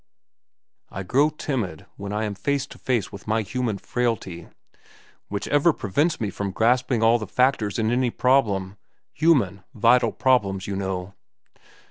I grow timid when I am face to face with my human frailty, which ever prevents me from grasping all the factors in any problem—human, vital problems, you know."